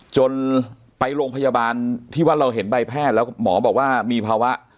จนไปโรงพยาบาลที่ว่าเราเห็นใบแพทย์แล้วหมอบอกว่ามีภาวะ